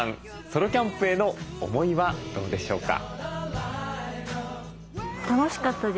ソロキャンプへの思いはどうでしょうか。